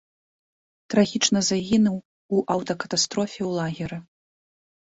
Трагічна загінуў у аўтакатастрофе ў лагеры.